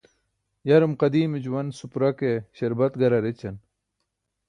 yarum qadiime juwan supra kaa śarbat garar ećaan